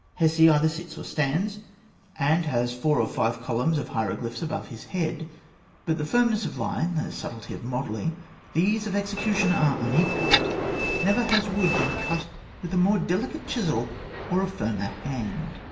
Hesi either sits or stands (fig. 184), and has four or five columns of hieroglyphs above his head; but the firmness of line, the subtlety of modelling, the ease of execution, are unequalled. Never has wood been cut with a more delicate chisel or a firmer hand.